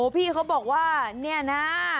พี่เขาบอกว่าเนี่ยนะ